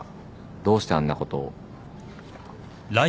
どうしてあんなことを？